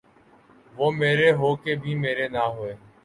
وہ مرے ہو کے بھی مرے نہ ہوئے